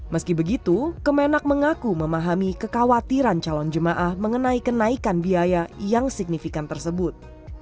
meski begitu kemenak mengaku memahami kekhawatiran calon jemaah mengenai kenaikan biaya yang signifikan tersebut